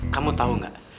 kamu tau gak